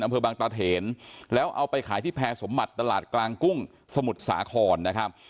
อำเภอบางตาเถนแล้วเอาไปขายที่แพรสมบัติตลาดกลางกุ้งสมุทรสาครนะครับ